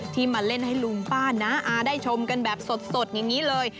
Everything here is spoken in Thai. มาเล่นให้ลุงป้าน้าอาได้ชมกันแบบสดอย่างนี้เลย